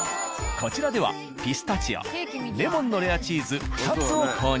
こちらではピスタチオレモンのレアチーズ２つを購入。